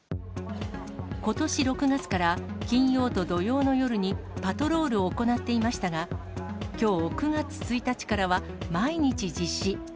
ことし６月から金曜と土曜の夜にパトロールを行っていましたが、きょう９月１日からは、毎日実施。